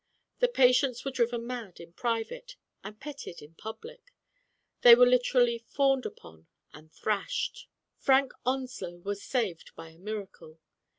The patients were driven mad in private, and petted in public. They were lit erally fawned upon and thrashed. Frank Onslow was saved by a miracle.